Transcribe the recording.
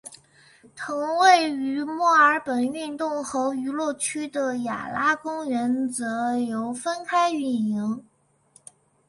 同位于墨尔本运动和娱乐区的雅拉公园则由分开营运。